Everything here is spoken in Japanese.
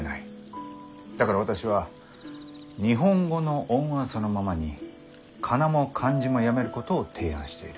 だから私は日本語の音はそのままに仮名も漢字もやめることを提案している。